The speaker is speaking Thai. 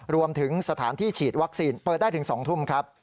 รวมถึงสถานที่ฉีดวัคซีนเปิดได้ถึง๒ทุ่มครับ